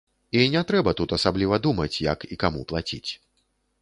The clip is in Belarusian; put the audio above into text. І не трэба тут асабліва думаць, як і каму плаціць.